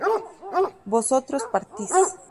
vosotros partís